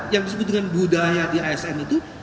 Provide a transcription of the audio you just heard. yang disebut dengan budaya di asn itu